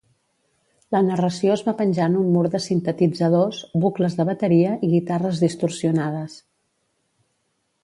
La narració es va penjar en un mur de sintetitzadors, bucles de bateria i guitarres distorsionades.